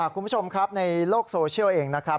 คุณผู้ชมครับในโลกโซเชียลเองนะครับ